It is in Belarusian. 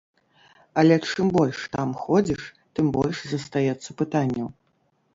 Але чым больш там ходзіш, тым больш застаецца пытанняў.